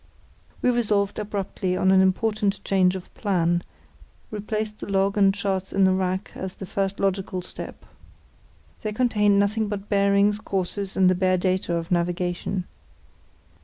We resolved abruptly on an important change of plan, replaced the log and charts in the rack as the first logical step. They contained nothing but bearings, courses, and the bare data of navigation.